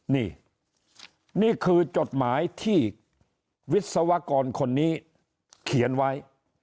นี่นี่คือจดหมายที่วิศวกรคนนี้เขียนไว้